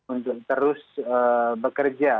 untuk terus bekerja